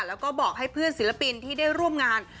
แล้วก็บอกให้เพื่อนศิลปินที่ได้ร่วมงาน